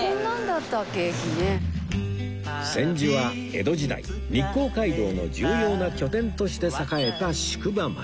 千住は江戸時代日光街道の重要な拠点として栄えた宿場町